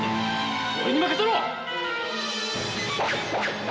俺に任せろ！